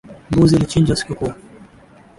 Mbuzi alichinjwa sikukuu